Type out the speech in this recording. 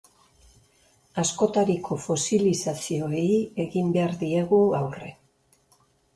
Askotariko fosilizazioei egin behar diegu aurre.